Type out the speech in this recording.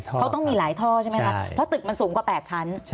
เขาต้องมีหลายท่อใช่ไหมคะเพราะตึกมันสูงกว่า๘ชั้น